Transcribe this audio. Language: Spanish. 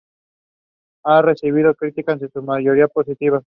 Ha recibido críticas en su mayoría positivas.